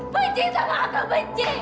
benci sama aku benci